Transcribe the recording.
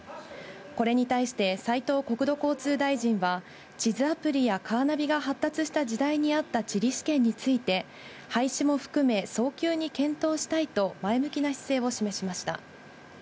これに対して、斉藤国土交通大臣は、地図アプリやカーナビが発達した時代に合った地理試験について、廃止も含め、早急に検討したいと、前向きな姿勢を示しました。